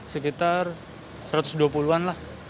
sekitar satu ratus dua puluh an lah